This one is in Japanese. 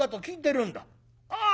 「ああ！